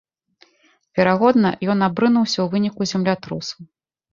Верагодна, ён абрынуўся ў выніку землятрусу.